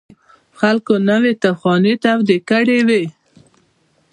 خلکو نوې تاوخانې تودې کړې وې.